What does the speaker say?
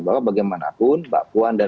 bahwa bagaimanapun mbak puan dan